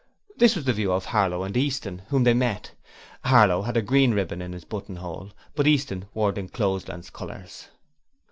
This was the view of Harlow and Easton, whom they met. Harlow had a green ribbon in his buttonhole, but Easton wore D'Encloseland's colours.